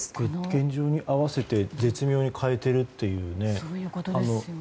現状に合わせて絶妙に変えているんですね。